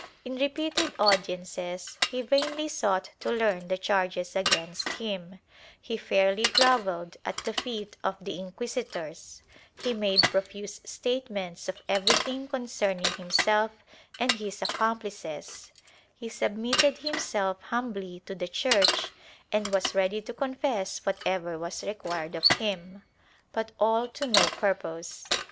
In repeated audiences he vainly sought to learn the charges against him; he fairiy grovelled at the feet of the inquisitors; he made profuse statements of everything concerning himself and his accomplices; he submitted himself humbly to the Church and was ready to confess whatever was required of him, but all to no purpose.